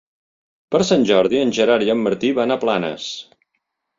Per Sant Jordi en Gerard i en Martí van a Planes.